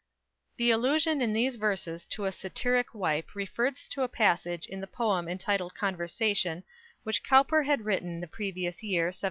_ The allusion in these verses to a "satiric wipe" refers to a passage in the poem entitled "Conversation," which Cowper had written in the previous year, 1781.